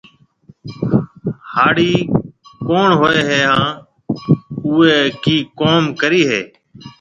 هاڙِي ڪوُڻ هوئي هيَ هانَ او ڪِي ڪوم ڪريَ هيَ۔